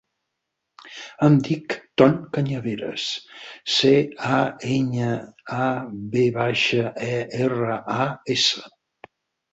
Em dic Ton Cañaveras: ce, a, enya, a, ve baixa, e, erra, a, essa.